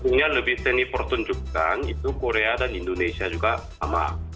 artinya lebih seni pertunjukan itu korea dan indonesia juga sama